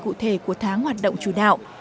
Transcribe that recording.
cụ thể của tháng hoạt động chủ đạo